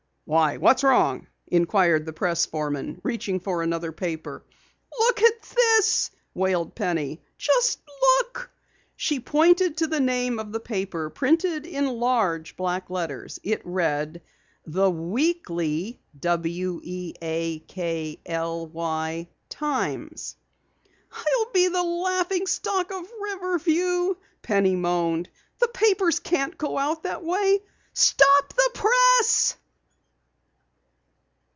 "Why, what's wrong?" inquired the press foreman, reaching for another paper. "Look at this," wailed Penny. "Just look!" She pointed to the name of the paper, printed in large black letters. It read: THE WEAKLY TIMES. "I'll be the laughing stock of Riverview," Penny moaned. "The papers can't go out that way. Stop the press!"